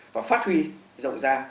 và phát huy rộng ra